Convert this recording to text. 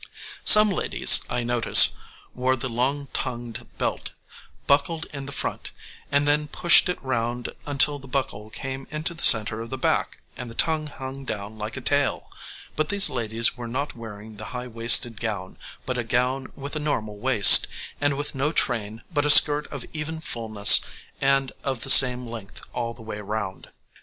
Some ladies, I notice, wore the long tongued belt buckled it in front, and then pushed it round until the buckle came into the centre of the back and the tongue hung down like a tail; but these ladies were not wearing the high waisted gown, but a gown with a normal waist, and with no train, but a skirt of even fulness and of the same length all the way round.